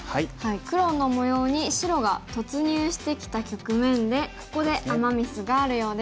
黒の模様に白が突入してきた局面でここでアマ・ミスがあるようです。